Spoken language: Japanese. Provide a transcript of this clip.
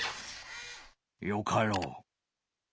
よかろう。